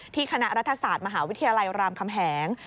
คณะรัฐศาสตร์มหาวิทยาลัยรามคำแหง